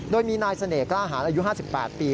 โดยมีนายเสน่หกล้าหารอายุ๕๘ปี